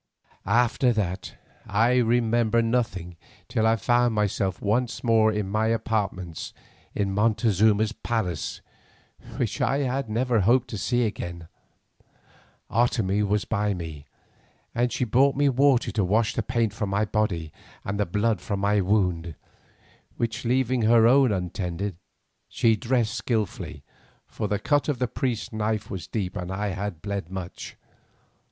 After that I remember nothing till I found myself once more in my apartments in Montezuma's palace, which I never hoped to see again. Otomie was by me, and she brought me water to wash the paint from my body and the blood from my wound, which, leaving her own untended, she dressed skilfully, for the cut of the priest's knife was deep and I had bled much.